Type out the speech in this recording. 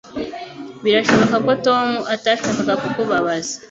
Birashoboka ko Tom atashakaga kukubabaza